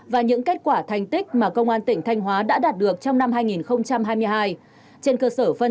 và những kết quả thành tích mà công an tỉnh thanh hóa đã đạt được trong năm hai nghìn hai mươi hai trên cơ sở phân